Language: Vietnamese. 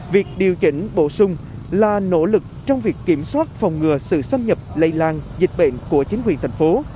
việc điều chỉnh bổ sung là nỗ lực trong việc kiểm soát phòng ngừa sự xâm nhập lây lan dịch bệnh của chính quyền thành phố